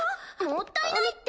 もったいないって。